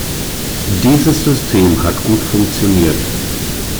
Dieses System hat gut funktioniert.